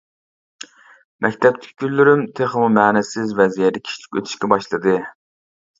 مەكتەپتىكى كۈنلىرىم تېخىمۇ مەنىسىز ۋە زېرىكىشلىك ئۆتۈشكە باشلىدى.